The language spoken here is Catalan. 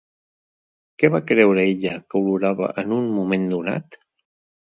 Què va creure ella que olorava en un moment donat?